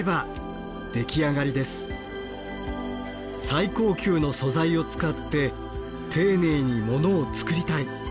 最高級の素材を使って丁寧にモノを作りたい。